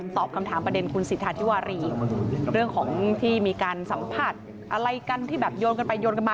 ตอบคำถามประเด็นคุณสิทธาธิวารีเรื่องของที่มีการสัมผัสอะไรกันที่แบบโยนกันไปโยนกันมา